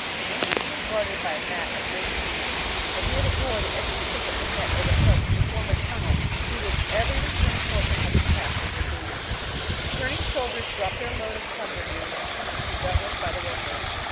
The entrance was guarded by a mat of living Natural Histoty 521 ants, and near the door the edges thickened and met overhead to form a tmmel through which every returning worker had to pass with her booty. Returning soldiers dropped their load of plimder near the entrance to be dealt with by the workers.